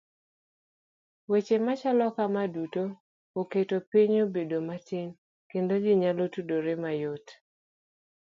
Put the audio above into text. Weche machalo kama duto oketo piny obedo matin kendo ji nyalo tudore mayot.